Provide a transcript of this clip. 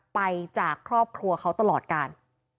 จากครอบครัวเขาตลอดกาล